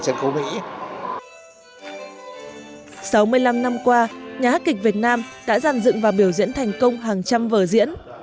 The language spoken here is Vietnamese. sáu mươi năm năm qua nhà hát kịch việt nam đã giàn dựng và biểu diễn thành công hàng trăm vở diễn